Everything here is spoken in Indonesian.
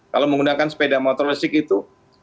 kalau menggunakan sepeda motor listrik itu